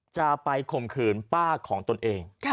จะไปข่มขืนป้าของตนเอง